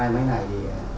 hai máy này thì